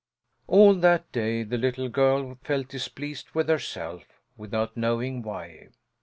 All that day the little girl felt displeased with herself, without knowing why.